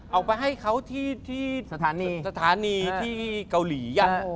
เอาไปให้เขาที่สถานีสถานีที่เกาหลี